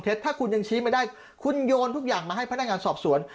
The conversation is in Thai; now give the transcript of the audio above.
ถ้าคุณยังชี้ไม่ได้คุณโยนทุกอย่างมาให้พนักงานสอบสวน